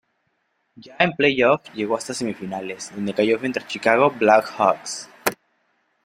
Ya en "playoff" llegó hasta semifinales, donde cayó frente a Chicago Black Hawks.